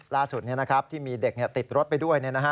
ล่าสุดที่มีเด็กติดรถไปด้วย